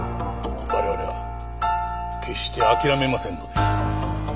我々は決して諦めませんので。